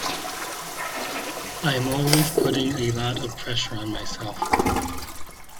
I'm always putting a lot of pressure on myself.